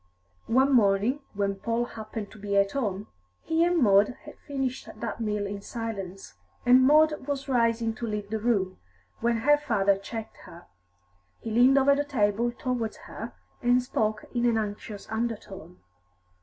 One morning, when Paul happened to be at home, he and Maud had finished that meal in silence, and Maud was rising to leave the room, when her father checked her. He leaned over the table towards her, and spoke in an anxious undertone.